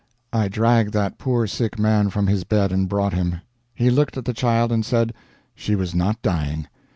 I dragged that poor sick man from his bed and brought him. He looked at the child and said she was not dying.